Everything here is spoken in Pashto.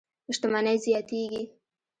شتمنۍ زیاتېږي.